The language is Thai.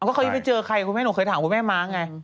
ก็เขายังไม่เจอใครคุณแม่หนูเคยถามคุณแม่ม้าไง